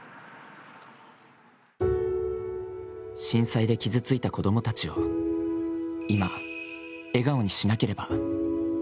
震災で傷ついた子供たちを今、笑顔にしなければ。